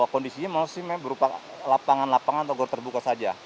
kondisinya masih berupa lapangan lapangan atau gor terbuka saja